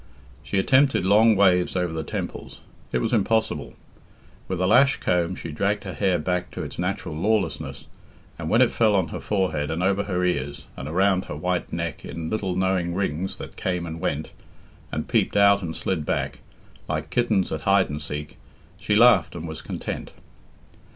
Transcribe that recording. She attempted long waves over the temples. It was impossible. With a lash comb she dragged her hair back to its natural lawlessness, and when it fell on her forehead and over her ears and around her white neck in little knowing rings that came and went, and peeped out and slid back, like kittens at hide and seek, she laughed and was content.